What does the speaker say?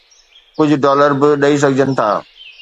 ڪجهه ڊالر به ڏئي سگهجن ٿا.